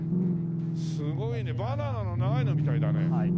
すごいねバナナの長いのみたいだね。